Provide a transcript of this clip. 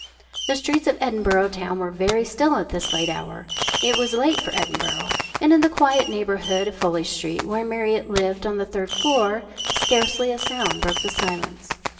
The streets of Edinburgh town were very still at this late hour it was late for Edinburgh and in the quiet neighbourhood of F Street, where Marriott lived on the third floor, scarcely a sound broke the silence.